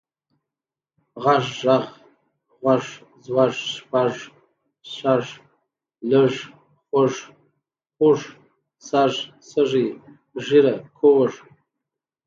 غږ، ږغ، غوَږ، ځوږ، شپږ، شږ، لږ، خوږ، خُوږ، سږ، سږی، ږېره، کوږ،